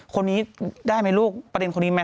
คนนี้ได้ไหมลูกประเด็นคนนี้ไหม